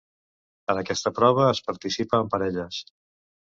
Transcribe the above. En aquesta prova es participa amb parelles.